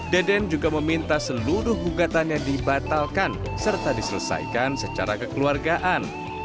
deden juga meminta seluruh gugatannya dibatalkan serta diselesaikan secara kekeluargaan